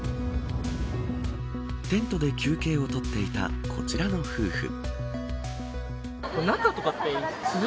テントで休憩を取っていたこちらの夫婦。